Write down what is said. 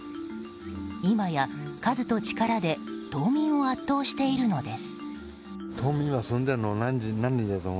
今や数と力で島民を圧倒しているのです。